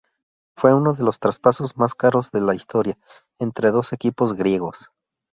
Fue uno de los traspasos más caros de la historia entre dos equipos griegos.